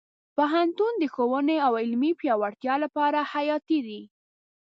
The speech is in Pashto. پوهنتون د ښوونې او علمي پیاوړتیا لپاره حیاتي دی.